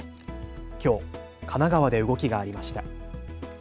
きょう神奈川で動きがありました。